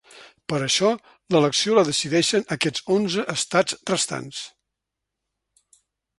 Per això l’elecció la decideixen aquests onze estats restants.